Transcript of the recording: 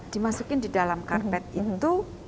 dimasukin di dalam karpet itu